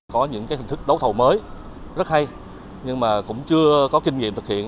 có những hình thức đấu thầu mới rất hay nhưng mà cũng chưa có kinh nghiệm thực hiện